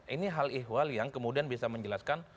ini hal ihwal yang kemudian bisa menjelaskan